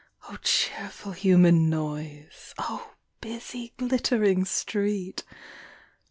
O cheerful human noise, O busy glittering street!